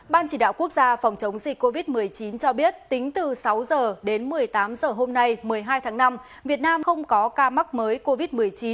ban chỉ đạo quốc gia phòng chống dịch covid một mươi chín cho biết tính từ sáu h đến một mươi tám h hôm nay một mươi hai tháng năm việt nam không có ca mắc mới covid một mươi chín